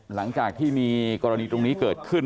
หลังจากที่มีกรณีตรงนี้เกิดขึ้น